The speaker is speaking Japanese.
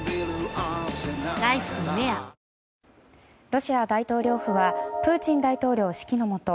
ロシア大統領府はプーチン大統領指揮のもと